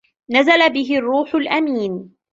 نَزَلَ بِهِ الرّوحُ الأَمينُ